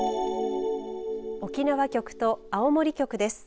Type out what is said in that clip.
沖縄局と青森局です。